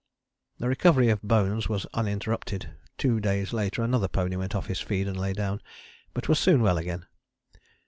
" The recovery of Bones was uninterrupted. Two day later another pony went off his feed and lay down, but was soon well again.